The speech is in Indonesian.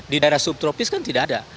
di daerah subtropis kan tidak ada